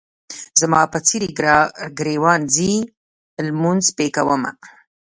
زما په څېرې ګریوان ځي لمونځ پې کومه.